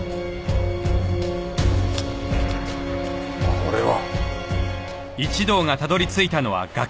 これは！